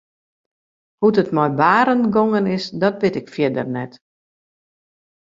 Hoe't it mei Barend gongen is dat wit ik fierder net.